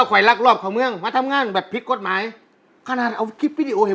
พอแล้วพอแล้วไม่ต้องเฉียงกันเลิกเฉียงกันได้แล้ว